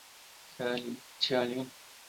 古罗马人确认她是朱诺之一。